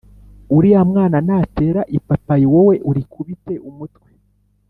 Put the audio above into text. uriya mwana natera ipapayi, wowe urikubite umutwe